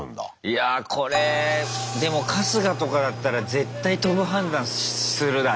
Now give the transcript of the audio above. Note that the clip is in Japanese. いやこれでも春日とかだったら絶対飛ぶ判断するだろう。